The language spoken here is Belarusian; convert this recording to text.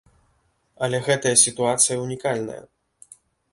Але гэтая сітуацыя ўнікальная.